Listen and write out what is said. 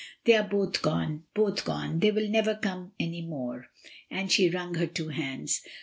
They are both gone, both gone; they will never come any more," and she wrung her two hands.